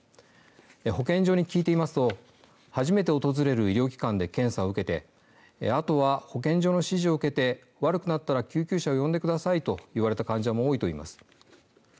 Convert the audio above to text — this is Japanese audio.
保健所に聞いていますと初めて訪れる医療機関で検査を受けて「あとは保健所の指示を受けて悪くなったら救急車を呼んでください」と言われた患者も多いといいます。